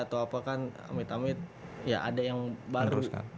atau apa kan amit amit ya ada yang baru